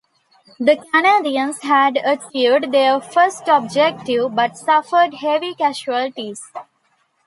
The Canadians had achieved their first objective, but suffered heavy casualties.